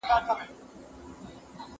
اوږده ډوډۍ ماڼۍ ته یوړل سوه.